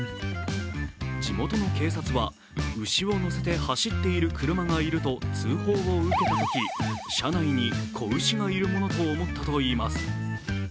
地元の警察は牛を乗せて走っている車がいると通報を受けたとき、車内に子牛がいるものと思ったといいます。